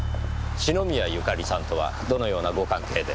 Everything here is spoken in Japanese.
篠宮ゆかりさんとはどのようなご関係で？